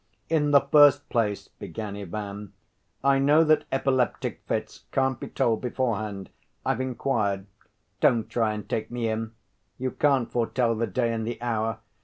"In the first place," began Ivan, "I know that epileptic fits can't be told beforehand. I've inquired; don't try and take me in. You can't foretell the day and the hour.